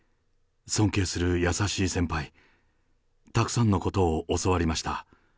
尊敬する優しい先輩、たくさんのことを教わりました。